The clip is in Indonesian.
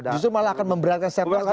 justru malah akan memberatkan set top